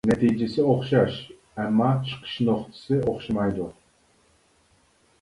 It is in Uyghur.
نەتىجىسى ئوخشاش ئەمما چىقىش نۇقتىسى ئوخشىمايدۇ.